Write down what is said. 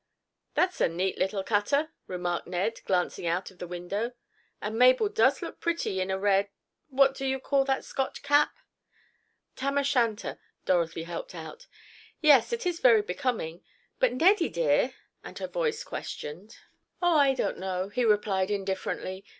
"That's a neat little cutter," remarked Ned, glancing out of the window. "And Mabel does look pretty in a red—what do you call that Scotch cap?" "Tam o'Shanter," Dorothy helped out. "Yes, it is very becoming. But Neddie, dear?" and her voice questioned. "Oh, I don't know," he replied indifferently.